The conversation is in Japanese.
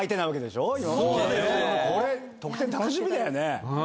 これ得点楽しみだよね。